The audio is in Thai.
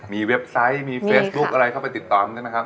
มีเว็บไซต์มีเฟรสทุกข์อะไรเข้าไปติดตามได้นะครับ